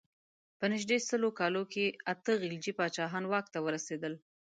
په نژدې سل کالو کې اته خلجي پاچاهان واک ته ورسېدل.